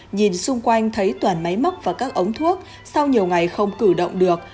nhìn xung quanh thấy toàn máy móc và các ống thuốc sau nhiều ngày không cử động được